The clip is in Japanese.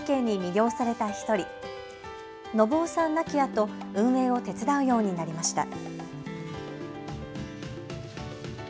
亡きあと運営を手伝うようになりました。